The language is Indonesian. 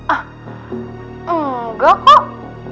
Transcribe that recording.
ah enggak kok